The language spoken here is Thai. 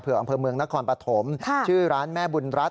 เผื่ออังเมืองณคปะถมชื่อร้านแม่บุญรัฐ